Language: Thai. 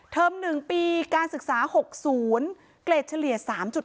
๑ปีการศึกษา๖๐เกรดเฉลี่ย๓๗